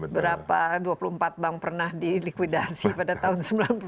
berapa dua puluh empat bank pernah di likuidasi pada tahun seribu sembilan ratus sembilan puluh delapan